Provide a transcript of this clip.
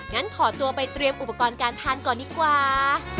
งั้นขอตัวไปเตรียมอุปกรณ์การทานก่อนดีกว่า